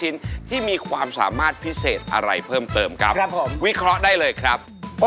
นี่นี่จะละงานไปเล่นหน่อยเลยนะครับ